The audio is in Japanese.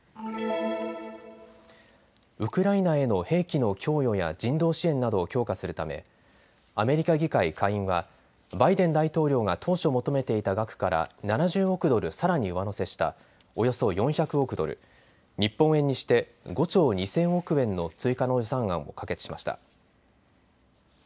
ウクライナへの兵器の供与や人道支援などを強化するためアメリカ議会下院はバイデン大統領が当初求めていた額から７０億ドルさらに上乗せしたおよそ４００億ドル、日本円にして５兆２０００億円の追加の予算案を可決しました。